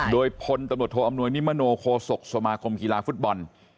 โดยพลตำรวจโทอำนวยนิมโนโคศกสมาคมกีฬาฟุตบอล